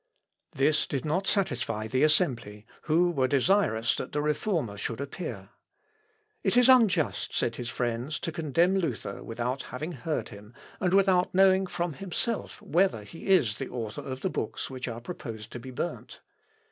This did not satisfy the assembly, who were desirous that the Reformer should appear. It is unjust, said his friends, to condemn Luther without having heard him, and without knowing from himself whether he is the author of the books which are proposed to be burnt.